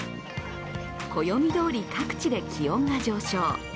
暦どおり、各地で気温が上昇。